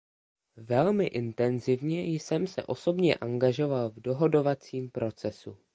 Velmi intenzivně jsem se osobně angažoval v dohodovacím procesu.